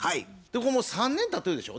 これもう３年たってるでしょ。